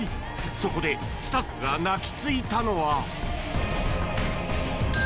そこでスタッフが泣きついたのは。